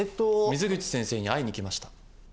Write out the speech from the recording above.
水口先生に会いに来ました。